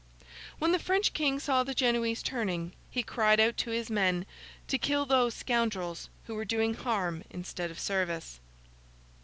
When the French King saw the Genoese turning, he cried out to his men to kill those scoundrels, who were doing harm instead of service.